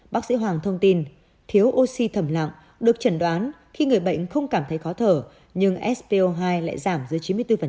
bác sĩ hoàng thông tin thiếu oxy thầm lặng được chẩn đoán khi người bệnh không cảm thấy khó thở nhưng spo hai lại giảm giữa chín mươi bốn